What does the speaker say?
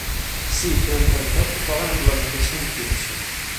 Sí, però en realitat tocàvem amb la mateixa motivació.